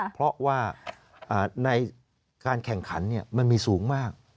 เพราะว่าในการแข่งขันมันมีสูงมาก